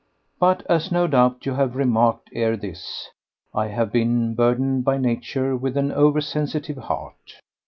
But, as no doubt you have remarked ere this, I have been burdened by Nature with an over sensitive heart.